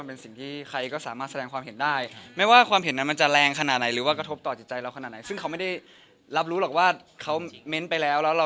มันเป็นสิ่งที่ใครก็สามารถแสดงความเห็นได้